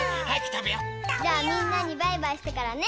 たべよう！じゃあみんなにバイバイしてからね。